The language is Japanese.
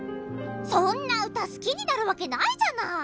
そんなうたすきになるわけないじゃない！